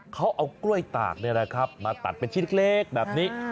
เขาเอากล้วยตากมาตัดเป็นชิ้นเล็กแบบนี้